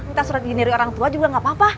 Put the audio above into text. minta surat ijin dari orang tua juga gapapa